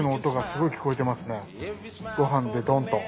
ご飯でドンと。